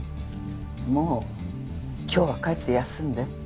もう今日は帰って休んで。